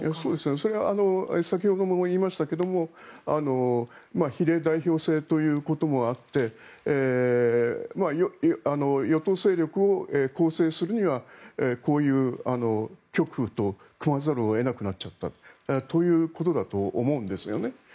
それが先ほども言いましたが比例代表制ということもあって与党勢力を構成するにはこういう極右と組まざるを得なくなっちゃったということだと思うんですよね。